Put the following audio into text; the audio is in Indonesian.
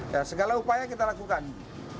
dan untuk penyelenggaraan kita harus melakukan perubahan